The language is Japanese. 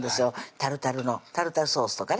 タルタルのタルタルソースとかね